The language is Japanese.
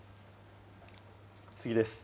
次です。